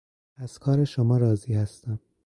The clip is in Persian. از کار شما راضی هستم.